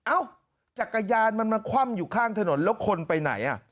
เอ้าจักรยานมันมาคว่ำอยู่ข้างถนนแล้วคนไปไหนอ่ะ